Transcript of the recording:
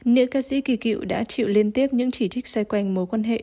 nữ ca sĩ kỳ cựu đã chịu liên tiếp những chỉ trích xoay quanh mối quan hệ